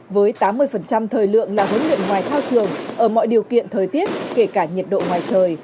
với tám mươi thời lượng là huấn luyện ngoài thao trường ở mọi điều kiện thời tiết kể cả nhiệt độ ngoài trời